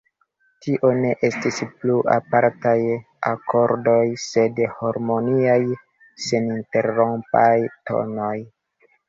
Tio ne estis plu apartaj akordoj, sed harmoniaj, seninterrompaj tonoj.